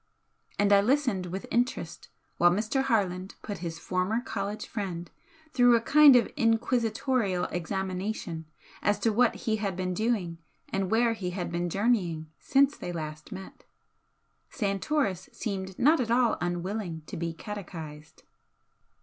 And I listened with interest while Mr. Harland put his former college friend through a kind of inquisitorial examination as to what he had been doing and where he had been journeying since they last met. Santoris seemed not at all unwilling to be catechised.